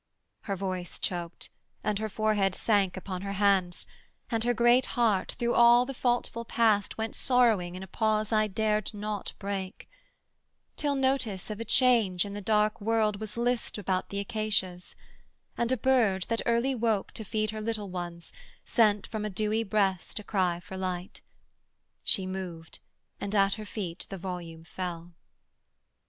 Her voice choked, and her forehead sank upon her hands, And her great heart through all the faultful Past Went sorrowing in a pause I dared not break; Till notice of a change in the dark world Was lispt about the acacias, and a bird, That early woke to feed her little ones, Sent from a dewy breast a cry for light: She moved, and at her feet the volume fell.